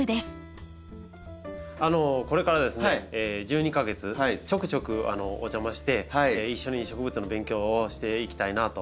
これからですね１２か月ちょくちょくお邪魔して一緒に植物の勉強をしていきたいなと思います。